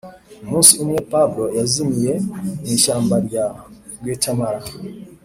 umunsi umwe, pablo yazimiye mu ishyamba rya guatemala.